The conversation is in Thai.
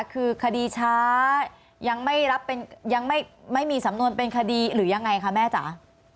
คือคดีช้ายังไม่รับยังไม่มีสำนวนเป็นคดีหรือยังไงคะแม่จ๋า